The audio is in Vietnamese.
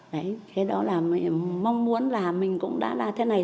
đấy thế đó là mong muốn là mình cũng đã là thế này